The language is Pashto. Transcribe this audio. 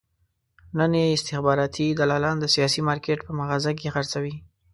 نن یې استخباراتي دلالان د سیاسي مارکېټ په مغازه کې خرڅوي.